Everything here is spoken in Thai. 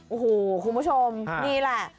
โอ้โหคุณผู้ชมนี่แหละ